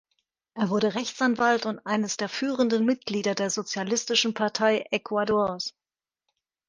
Er wurde Rechtsanwalt und eines der führenden Mitglieder der Sozialistischen Partei Ecuadors.